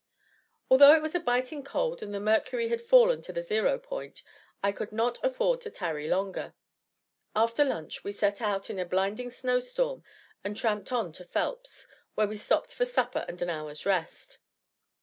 Although it was biting cold and the mercury had fallen to the zero point, I could not afford to tarry longer. After lunch we set out in a blinding snow storm and tramped on to Phelps, where we stopped for supper and an hour's rest.